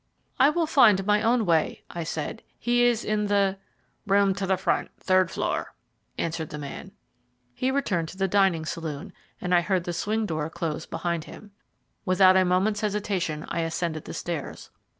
"I will find my own way," I said. "He is in the " "Room to the front third floor," answered the man. He returned to the dining saloon, and I heard the swing door close behind him. Without a moment's hesitation I ascended the stairs.